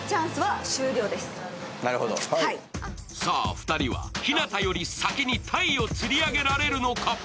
２人は日向より先にたいを釣り上げられるのか。